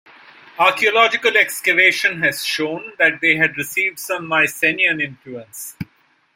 Archaeological excavation has shown that they had received some Mycenaean influence.